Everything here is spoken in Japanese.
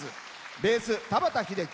ベース、田畑秀樹。